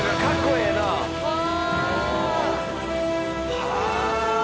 はあ！